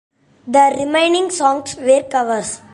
The remaining songs were covers.